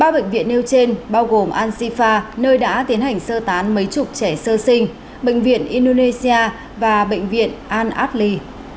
ba bệnh viện nêu trên bao gồm ansifa nơi đã tiến hành sơ tán mấy chục trẻ sơ sinh bệnh viện indonesia và bệnh viện al adli